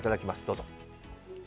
どうぞ。